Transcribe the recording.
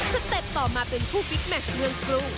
เต็ปต่อมาเป็นผู้บิ๊กแมชเมืองกรุง